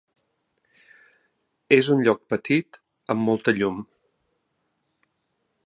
És un lloc petit amb molta llum.